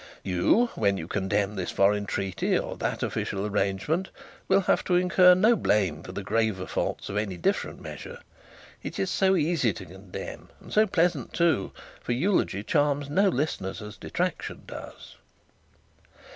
You, when you condemn this foreign treaty, or that official arrangement, will have to incur no blame for the graver faults of any different measure. It is so easy to condemn; and so pleasant too; for eulogy charms no listeners as detraction does.'